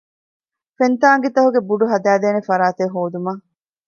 ފެންތާނގީތަކުގެ ބުޑު ހަދައިދޭނެ ފަރާތެއް ހޯދުމަށް